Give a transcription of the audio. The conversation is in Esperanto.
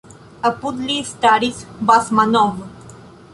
Apud li staris Basmanov.